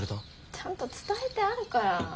ちゃんと伝えてあるから。